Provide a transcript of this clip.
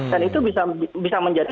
dan itu bisa menjadi